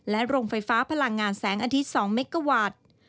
โรงไฟฟ้าพลังงานแสงอาทิตย์๒เมกาวัตต์